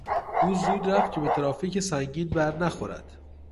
او زود رفت که به ترافیک سنگین برنخورد.